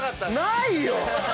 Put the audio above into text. ないよ！